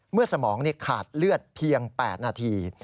สมองขาดเลือดเพียง๘นาที